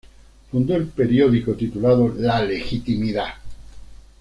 Fundó el periódico titulado "La Legitimidad".